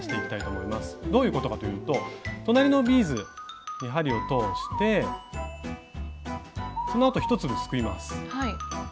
どういうことかというと隣のビーズに針を通してそのあと１粒すくいます。